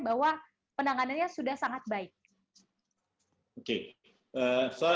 bahwa penanganannya sudah sangat baik oke soalnya saya oke sekarang ya saya baru gantiin ya aman dok